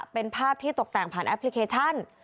เป็นภาพที่ตกแต่งผ่านแอปพลิเคชัน